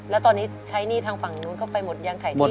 แล้วตอนนี้ใช้หนี้ทางฝั่งนู้นเข้าไปหมดยังถ่ายที่